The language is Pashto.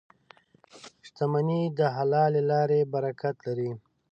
• شتمني د حلالې لارې برکت لري.